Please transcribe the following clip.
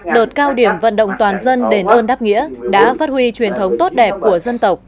đợt cao điểm vận động toàn dân đền ơn đáp nghĩa đã phát huy truyền thống tốt đẹp của dân tộc